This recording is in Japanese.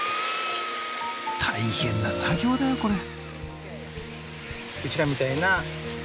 大変な作業だよこれ。